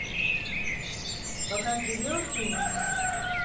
Fakat biliyorsun ya…